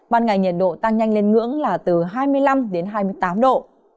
ban ngày nhiệt độ tăng nhanh lên ngưỡng là từ hai mươi năm đến hai mươi tám độ